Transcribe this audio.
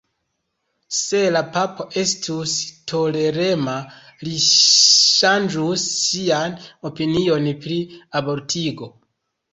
Se la papo estus tolerema, li ŝanĝus sian opinion pri abortigo.